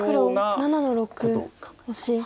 黒７の六オシ。